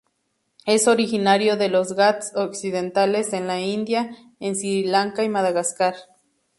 Es originario de los Ghats occidentales en la India, en Sri Lanka y Madagascar..